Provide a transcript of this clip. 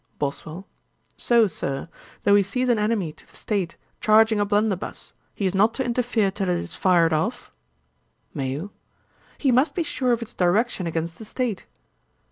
BOSWELL. 'So, Sir, though he sees an enemy to the state charging a blunderbuss, he is not to interfere till it is fired off?' MAYO. 'He must be sure of its direction against the state.'